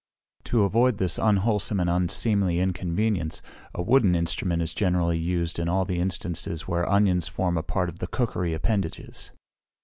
To avoid this unwholsome and unseemly inconvenience, a wooden instrument is generally used in all instances where onions form a part of the cookery appendages.